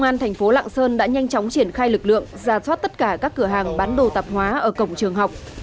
công an thành phố lạng sơn đã nhanh chóng triển khai lực lượng ra soát tất cả các cửa hàng bán đồ tạp hóa ở cổng trường học